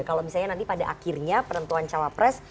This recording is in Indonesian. kalau misalnya nanti pada akhirnya penentuan cawapres